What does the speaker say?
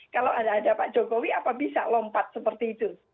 kalau ada pak jokowi apa bisa lompat seperti itu